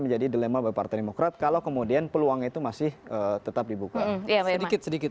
menjadi dilema bagi partai demokrat kalau kemudian peluang itu masih tetap dibuka sedikit sedikit